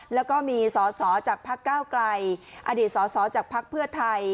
แล้วก็มีศจากภักดิ์ก้าวไกรอดีตศจากภักดิ์เพื่อทัย